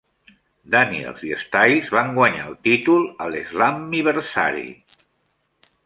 Daniels i Styles van guanyar el títol al Slammiversari.